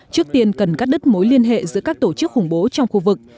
trước tiên cần cắt đứt mối liên hệ giữa các tổ chức khủng bố trong khu vực